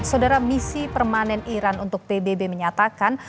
saudara misi permanen iran untuk pbb menyatakan